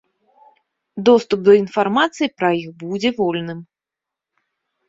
Доступ да інфармацыі пра іх будзе вольным.